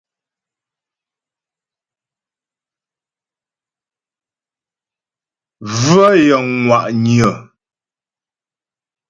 Bvə̂ yəŋ ŋwà'nyə̀.